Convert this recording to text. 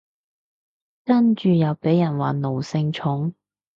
跟住又被人話奴性重